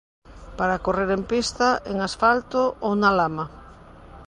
Para correr en pista, en asfalto ou na lama.